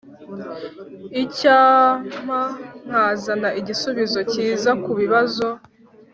icyampa nkazana igisubizo cyiza kubibazo